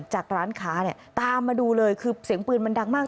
ร้านค้าเนี่ยตามมาดูเลยคือเสียงปืนมันดังมาก